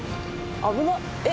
危なっ！」